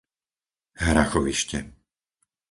Hrachovište